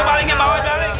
malingnya bawain balik